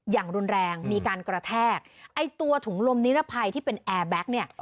อย่างรุนแรงมีการกระแทกไอ้ตัวถุงลมนิรภัยที่เป็นแอร์แบ็คเนี่ย